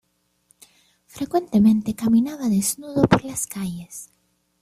Frecuentemente caminaba desnudo por las calles.